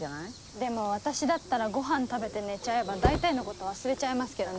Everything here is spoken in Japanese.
でも私だったらごはん食べて寝ちゃえば大体のこと忘れちゃいますけどね。